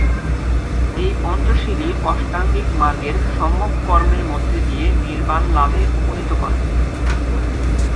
এই পঞ্চশীলই অষ্টাঙ্গিক মার্গের সম্যক কর্মের মধ্যে দিয়ে নির্বাণলাভে উপনীত করে।